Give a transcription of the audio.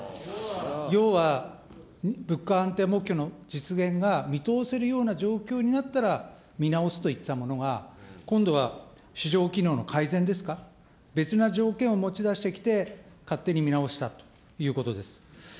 要は、物価安定目標の実現が見通せるような状況になったら、見直すと言ってたものが、今度は市場機能の改善ですか、別な条件を持ち出してきて、勝手に見直したということです。